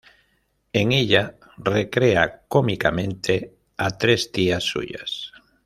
En ella recrea cómicamente a tres tías suyas.